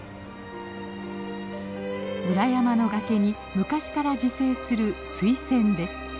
裏山の崖に昔から自生するスイセンです。